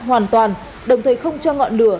hoàn toàn đồng thời không cho ngọn lửa